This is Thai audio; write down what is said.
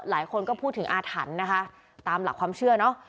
หลายคนก็พูดถึงอาถรรพ์นะคะตามหลักความเชื่อเนอะ